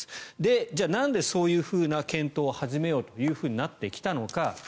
じゃあ、なんでそういう検討を始めようとなってきたのか。